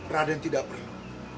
raden tidak perlu